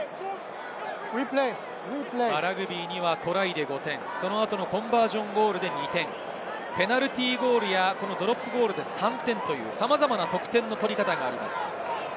ラグビーにはトライで５点、その後のコンバージョンゴールで２点、ペナルティーゴールやドロップゴールで３点、さまざまな得点の取り方があります。